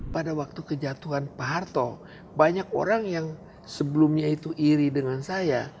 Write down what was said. pada waktu kejatuhan pak harto banyak orang yang sebelumnya itu iri dengan saya